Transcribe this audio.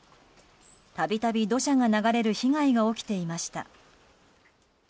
度々、土砂が流れる被害が起きていました。